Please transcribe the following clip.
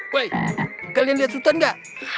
woi kalian liat sutan gak